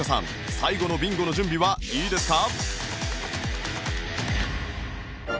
最後のビンゴの準備はいいですか？